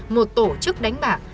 một tổ chức đánh bạc